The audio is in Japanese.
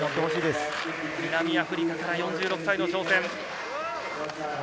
南アフリカ４６歳の挑戦。